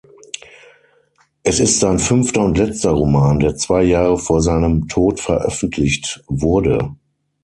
Es ist sein fünfter und letzter Roman, der zwei Jahre vor seinem Tod veröffentlicht wurde.